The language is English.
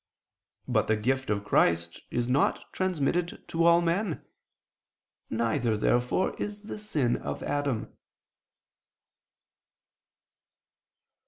But the gift of Christ is not transmitted to all men: neither, therefore, is the sin of Adam.